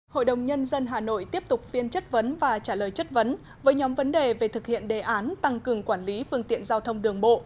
hội đồng nhân dân hà nội tiếp tục phiên chất vấn và trả lời chất vấn với nhóm vấn đề về thực hiện đề án tăng cường quản lý phương tiện giao thông đường bộ